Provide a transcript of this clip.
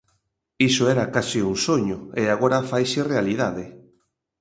Iso era case un soño e agora faise realidade.